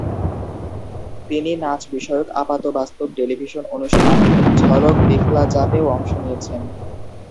তিনি নাচ বিষয়ক আপাতবাস্তব টেলিভিশন অনুষ্ঠান "ঝলক দিখলা জা" তেও অংশ নিয়েছেন।